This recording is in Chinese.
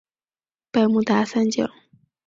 百慕达三角。